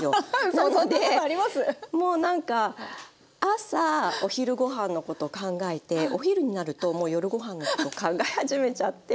なのでもうなんか朝お昼ご飯のこと考えてお昼になるともう夜ご飯のこと考え始めちゃって。